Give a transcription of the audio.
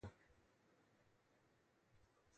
Gang warfare and retaliation is common in Chicago.